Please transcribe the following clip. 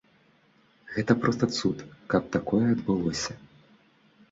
Гэта проста цуд, каб такое адбылося.